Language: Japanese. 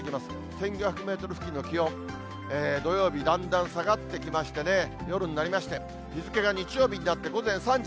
１５００メートル付近の気温、土曜日、だんだん下がってきましてね、夜になりまして、日付けが日曜日になって、午前３時。